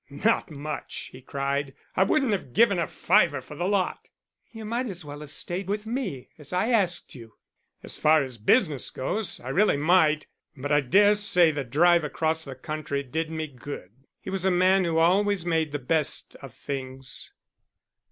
"Not much," he cried. "I wouldn't have given a fiver for the lot." "You might as well have stayed with me, as I asked you." "As far as business goes, I really might. But I dare say the drive across country did me good." He was a man who always made the best of things.